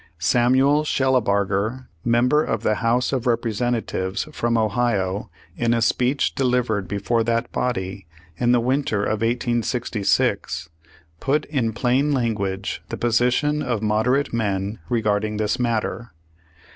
Samuel Shellabarger, member of the House of Representatives from Ohio, in a speech delivered before that body in the winter of 1866, put in plain language the position of moderate men re garding this matter.